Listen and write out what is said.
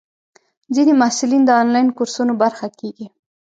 ځینې محصلین د انلاین کورسونو برخه کېږي.